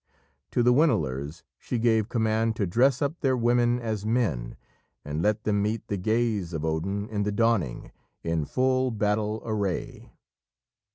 To the Winilers, she gave command to dress up their women as men, and let them meet the gaze of Odin in the dawning, in full battle array.